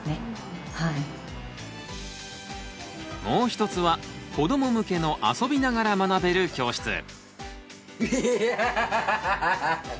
もう一つは子ども向けの遊びながら学べる教室。